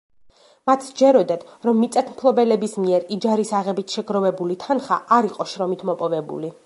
მათ სჯეროდათ, რომ მიწათმფლობელების მიერ იჯარის აღებით შეგროვებული თანხა არ იყო შრომით მოპოვებული.